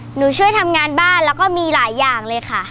หนูช่วยทำงานบ้านแล้วก็มีหลายอย่างเลยค่ะ